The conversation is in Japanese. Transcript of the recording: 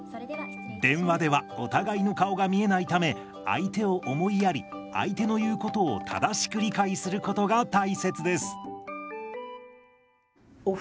電話ではお互いの顔が見えないため相手を思いやり相手の言うことを正しく理解することが大切です。